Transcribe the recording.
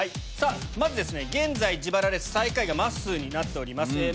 まず現在自腹レース最下位がまっすーになっております。